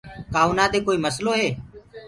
کآ اُنآ دي ڪوئي نسلو هي۔